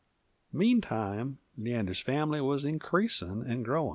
Meantime Leander's family wuz increasin' and growin'.